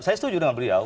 saya setuju dengan beliau